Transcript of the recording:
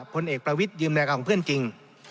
พลเอกประวิทยืมรายการของเพื่อนจริง